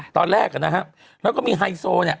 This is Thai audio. ตอนแรกนะฮะแล้วก็มีไฮโซเนี่ย